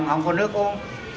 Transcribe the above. không có nước uống